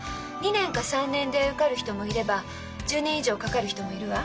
２年か３年で受かる人もいれば１０年以上かかる人もいるわ。